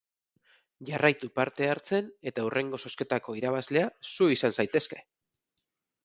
Jarraitu parte hartzen eta hurrengo zozketako irabazlea zu izan zaitezke!